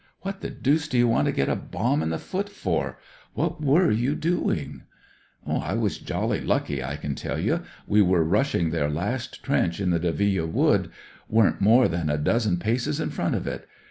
What the deuce d'you want to get a bomb in the foot for ? What were you doing ?"" I was jolly lucky, I can tell you. We were rushing their last trench in the Delville Wood ; weren't more than a dozen paces in front of it.